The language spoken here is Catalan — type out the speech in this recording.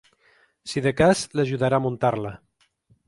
Si de cas, l’ajudarà a muntar-la.